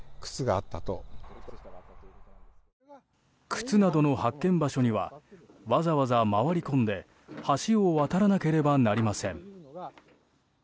靴などの発見場所にはわざわざ回り込んで橋を渡らなければなりません。